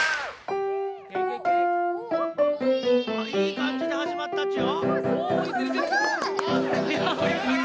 いいかんじではじまったっちよ。